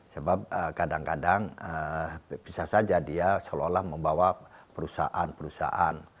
sebab kadang kadang bisa saja dia seolah olah membawa perusahaan perusahaan